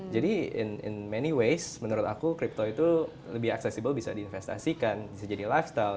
jadi in many ways menurut aku crypto itu lebih accessible bisa diinvestasikan bisa jadi lifestyle